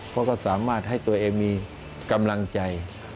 เพราะก็สามารถให้ตัวเองมีกำลังใจ